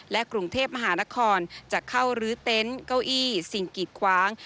กรุงเทพมหานครจะเข้ารื้อเต็นต์เก้าอี้สิ่งกีดขวาง